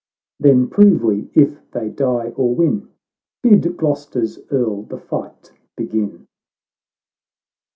——" Then prove we if they die or win ! Bid Gloster's Earl the fight begin."